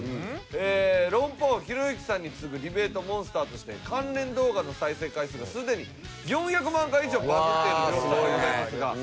論破王ひろゆきさんに次ぐディベートモンスターとして関連動画の再生回数がすでに４００万回以上バズっている呂布さんでございますが。